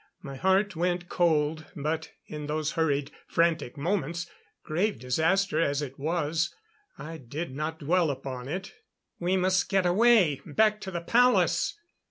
My heart went cold, but in those hurried, frantic moments, grave disaster as it was, I did not dwell upon it. "We must get away back to the palace!"